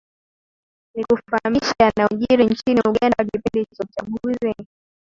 nikufahamishe yanayojiri nchini uganda kipindi cha uchaguzi